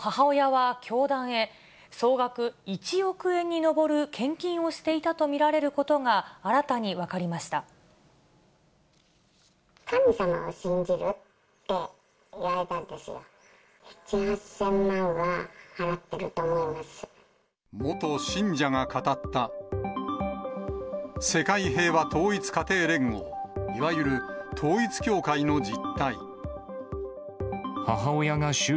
その母親は教団へ、総額１億円に上る献金をしていたと見られることが新たに分かりま神様を信じる？って言われたんですよ。